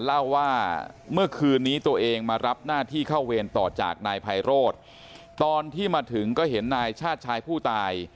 เล่าว่าเมื่อคืนนี้ตัวเองมารับหน้าที่เข้าเวรต่อจากนายไพโรธตอนที่มาถึงก็เห็นนายชาติชายผู้ตาย